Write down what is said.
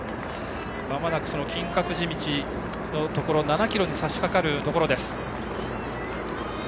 まもなく金閣寺道のところ７ｋｍにさしかかるところです。